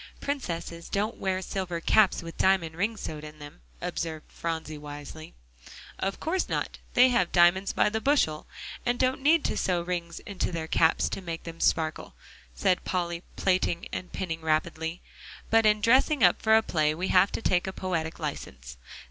"Princesses don't wear silver caps with diamond rings sewed in them," observed Phronsie wisely. "Of course not; they have diamonds by the bushel, and don't need to sew rings in their caps to make them sparkle," said Polly, plaiting and pinning rapidly, "but in dressing up for a play, we have to take a poetic license.